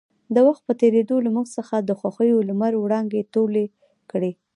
د وخـت پـه تېـرېدو لـه مـوږ څـخـه د خـوښـيو لمـر وړانـګې تـولې کـړې.